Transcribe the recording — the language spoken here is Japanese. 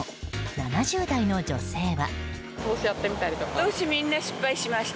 ７０代の女性は。